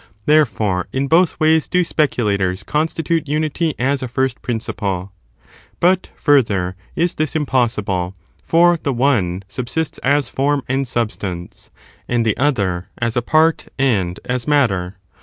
Therefore, in both ways do speculators constitute unity as a first principle. But, further, is this impossible ; for the one cates of this subsists as form and substance, and the other as etSbSshit.*^ a part and as matter.